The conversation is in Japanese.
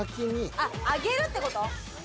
あっ揚げるって事？